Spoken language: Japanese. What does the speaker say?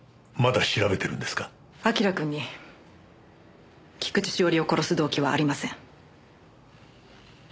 明君に菊地詩織を殺す動機はありません。